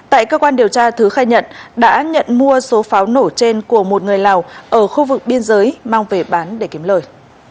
tại cơ quan điều tra thứ khai nhận đã nhận mua số pháo nổ trên của một người lào ở khu vực biên giới mang về bán để kiếm lời